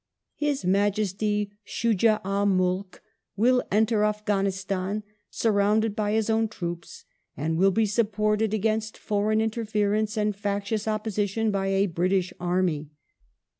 " His Majesty Shuja ul Mulk will enter Afghanistan surrounded by his own troops and will be suppoi ted against foreign interference and factious opposition by a British army."